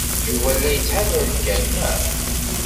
Yuba la yettḥadar kan, naɣ?